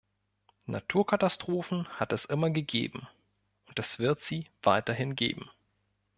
Naturkatastrophen hat es immer gegeben, und es wird sie weiterhin geben.